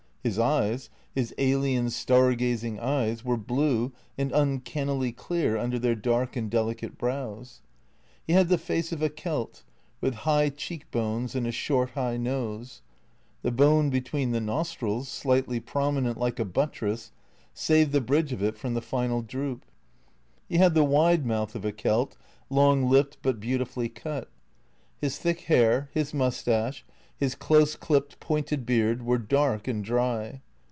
His eyes, his alien, star gazing eyes, were blue and uncannily clear under their dark and delicate brows. He had the face of a Celt, with high cheek bones, and a short high nose; the bone between the nostrils, slightly prominent like a buttress, saved the bridge of it from the final droop. He had the wide mouth of a Celt, long lipped, but beautifully cut. His thick hair, his moustache, his close clipped, pointed beard, were dark and dry.